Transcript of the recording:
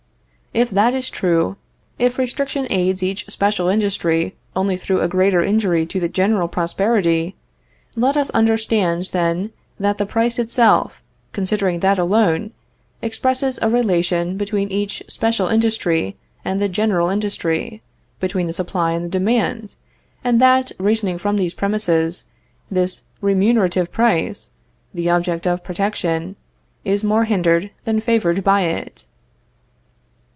If that is true, if restriction aids each special industry only through a greater injury to the general prosperity, let us understand, then, that the price itself, considering that alone, expresses a relation between each special industry and the general industry, between the supply and the demand, and that, reasoning from these premises, this remunerative price (the object of protection) is more hindered than favored by it.